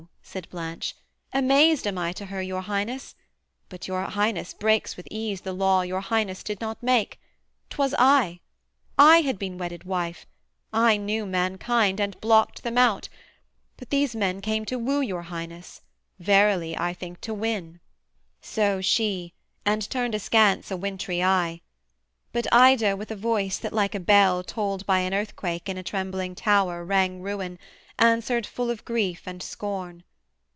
said Blanche: 'Amazed am I to her Your Highness: but your Highness breaks with ease The law your Highness did not make: 'twas I. I had been wedded wife, I knew mankind, And blocked them out; but these men came to woo Your Highness verily I think to win.' So she, and turned askance a wintry eye: But Ida with a voice, that like a bell Tolled by an earthquake in a trembling tower, Rang ruin, answered full of grief and scorn.